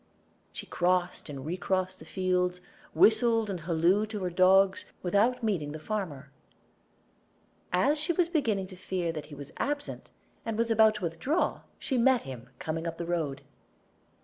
She crossed and recrossed the fields, whistled and hallooed to her dogs, without meeting the farmer. As she was beginning to fear that he was absent, and was about to withdraw, she met him coming up the road.